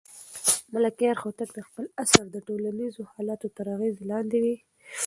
ملکیار هوتک د خپل عصر د ټولنیزو حالاتو تر اغېز لاندې و.